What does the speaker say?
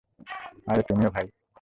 আরে তুমিও ভাই!